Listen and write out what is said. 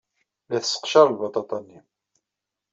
La tesseqcar lbaṭaṭa-nni.